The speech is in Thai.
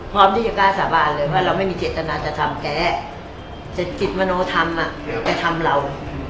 พร้อมที่จะกล้าสาบานเลยว่าเราไม่มีเจตนาจะทำแกเสร็จกิจมโนธรรมกระทำเรา